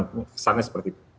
kesannya seperti itu